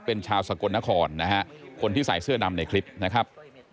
เป็นชาวสกลนครนะฮะคนที่ใส่เสื้อดำในคลิปนะครับ